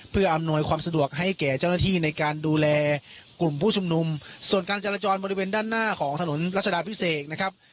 เพื่ออำนวยความสะดวกให้แก่เจ้าหน้าที่ในการดูแลกลุ่มผู้ชุมนุมส่วนการจราจรบริเวณด้านหน้าของถนนรัชดาพิเศษนะครับ